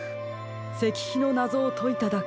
せきひのなぞをといただけ。